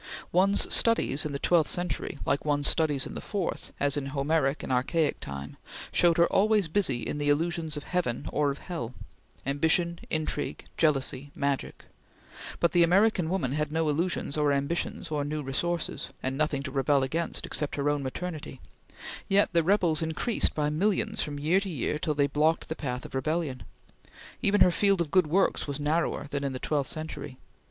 One's studies in the twelfth century, like one's studies in the fourth, as in Homeric and archaic time, showed her always busy in the illusions of heaven or of hell ambition, intrigue, jealousy, magic but the American woman had no illusions or ambitions or new resources, and nothing to rebel against, except her own maternity; yet the rebels increased by millions from year to year till they blocked the path of rebellion. Even her field of good works was narrower than in the twelfth century.